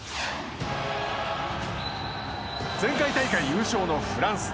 前回大会優勝のフランス。